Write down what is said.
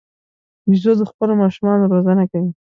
بیزو د خپلو ماشومانو روزنه کوي.